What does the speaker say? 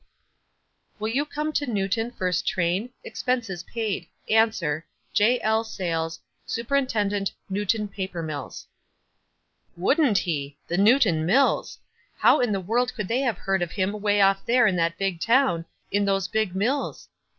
78 WISE A2\ T D OTHERWISE. "Will you come to Newton first train? Ex penses paid. Answer. "J. L. Satles, "Supt. Newton Paper Mills." Wouldn't he ! The Newton Mills ! How in the world con Id they have heard of him away off there in tjiat big town, in those big mills?